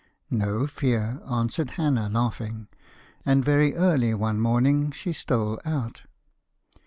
'No fear,' answered Hannah laughing, and very early one morning she stole out.